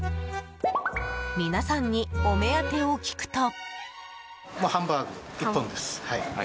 皆さんに、お目当てを聞くと。